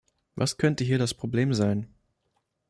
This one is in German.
Was könnte hier das Problem sein?